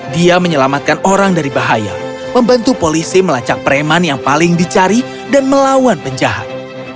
dia menyelamatkan orang dari bahaya membantu polisi melacak preman yang paling dicari dan melawan penjahat